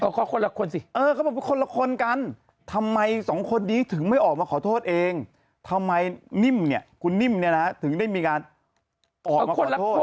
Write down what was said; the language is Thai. ขอคนละคนสิเออเขาบอกเป็นคนละคนกันทำไมสองคนนี้ถึงไม่ออกมาขอโทษเองทำไมนิ่มเนี่ยคุณนิ่มเนี่ยนะถึงได้มีการออกมาขอโทษ